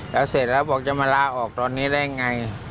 แล้วเสร็จแล้วบอกจะมาลาออกตอนนี้ได้ยังไง